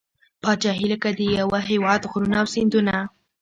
پاچهي لکه د یوه هیواد غرونه او سیندونه ده.